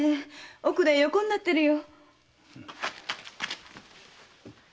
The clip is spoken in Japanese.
奥で横になってるよ。